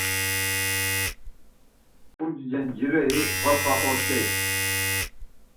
Uci cencireri va p̌a ort̆ey.